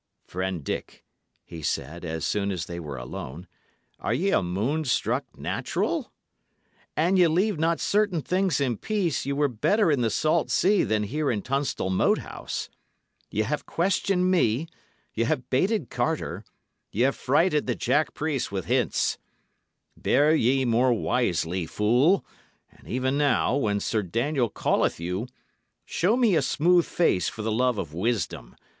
"Friend Dick," he said, as soon as they were alone, "are ye a moon struck natural? An ye leave not certain things in peace, ye were better in the salt sea than here in Tunstall Moat House. Y' have questioned me; y' have baited Carter; y' have frighted the Jack priest with hints. Bear ye more wisely, fool; and even now, when Sir Daniel calleth you, show me a smooth face for the love of wisdom.